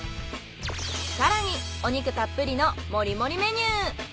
更にお肉たっぷりのもりもりメニュー。